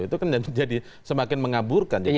itu kan jadi semakin mengaburkan